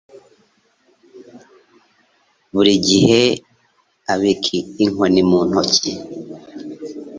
Buri gihe abika inkoni mu ntoki.